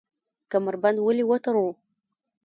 کمربند ولې وتړو؟